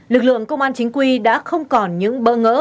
lực lượng công an chính quy đã không còn những bỡ ngỡ